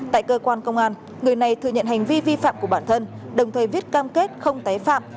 tại cơ quan công an người này thừa nhận hành vi vi phạm của bản thân đồng thời viết cam kết không tái phạm